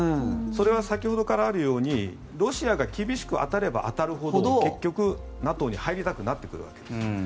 それは先ほどからあるようにロシアが厳しく当たれば当たるほど結局ＮＡＴＯに入りたくなってくるわけです。